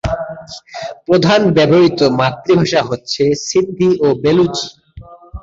প্রধান ব্যবহৃত মাতৃভাষা হচ্ছে সিন্ধি ও বেলুচি।